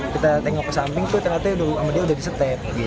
kita tengok ke samping tuh ternyata sama dia udah disete